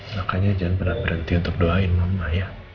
makanya jangan berhenti untuk doain mama ya